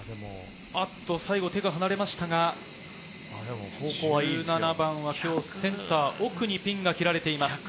最後手が離れましたが、１７番は今日、センター奥にピンが切られています。